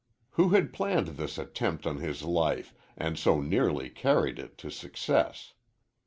Who had planned this attempt on his life and so nearly carried it to success?